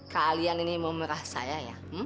kalian ini memerah saya ya